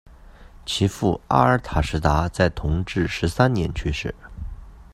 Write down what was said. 其父阿尔塔什达在同治十三年去世。